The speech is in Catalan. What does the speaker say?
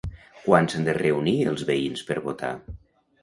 Quan s'han de reunir els veïns per votar?